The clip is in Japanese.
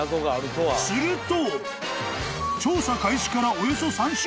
［すると］